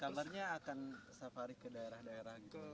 harus kabarnya akan safari ke daerah daerah gitu